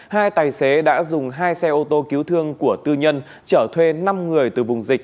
hai tài xế đã dùng hai xe ô tô cứu thương của tư nhân chở thuê năm người từ vùng dịch